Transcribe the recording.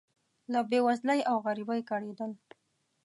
له بې وزلۍ او غریبۍ کړېدل.